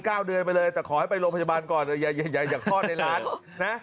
เดือนไปเลยแต่ขอให้ไปโรงพยาบาลก่อนอย่าอย่าคลอดในร้านนะ